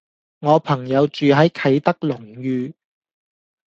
我朋友住喺啟德龍譽